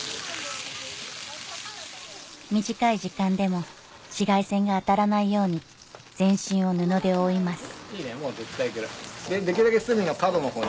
短い時間でも紫外線が当たらないように全身を布で覆います